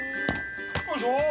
よいしょ！